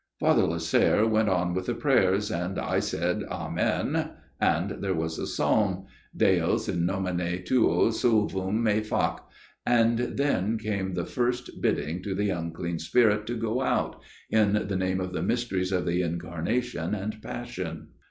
" Father Lasserre went on with the prayers, and I said Amen, and there was a psalm Deus in nomine tuo salvum me fac and then came the first bidding to the unclean spirit to go out, in the name of the Mysteries of the Incarnation and Passion.